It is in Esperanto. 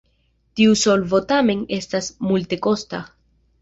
Tiu solvo tamen estas multekosta.